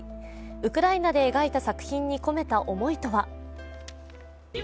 ウクライナで描いた作品に込めた思いとは。